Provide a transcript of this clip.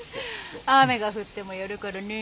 雨が降ってもやるからね。